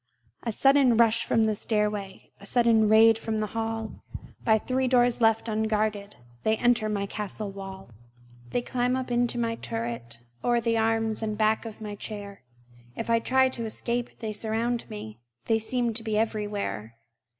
A sudden rush from the stairway, A sudden raid from the hall! By three doors left unguarded They enter my castle wall! They climb up into my turret O'er the arms and back of my chair; If I try to escape, they surround me; They seem to be everywhere.